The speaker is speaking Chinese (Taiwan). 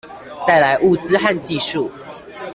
帶來物資和技術